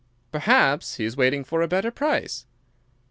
"Perhaps he is waiting for a better price."